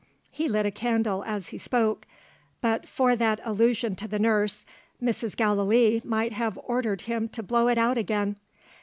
He lit a candle as he spoke. But for that allusion to the nurse, Mrs. Gallilee might have ordered him to blow it out again.